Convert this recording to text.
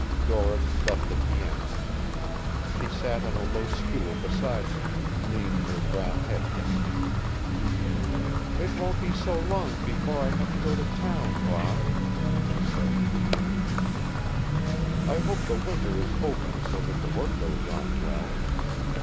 Doris left the piano. She sat on a low stool beside him, leaned her brown head against him. "It won't be so long before I have to go to town, Bob," she said dreamily. "I hope the winter is open so that the work goes on well.